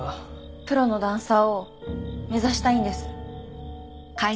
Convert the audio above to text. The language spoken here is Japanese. プロのダンサーを目指したいんです。